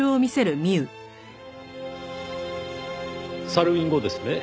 サルウィン語ですね。